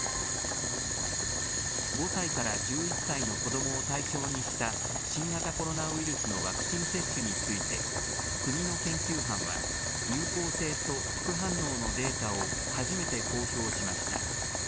５歳から１１歳の子どもを対象にした、新型コロナウイルスのワクチン接種について、国の研究班は、有効性と副反応のデータを初めて公表しました。